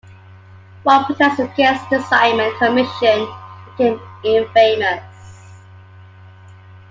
One protest against the Simon Commission became infamous.